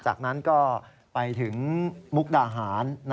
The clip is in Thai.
จากนั้นก็ไปถึงมุกดาหาร